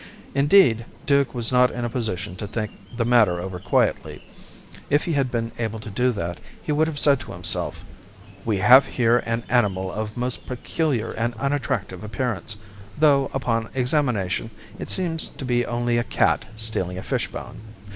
Indeed, Duke was not in a position to think the matter over quietly. If he had been able to do that, he would have said to himself: "We have here an animal of most peculiar and unattractive appearance, though, upon examination, it seems to be only a cat stealing a fishbone.